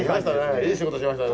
いい仕事しましたよ